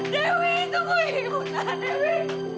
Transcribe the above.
dewi itu kuy ibu tahan dewi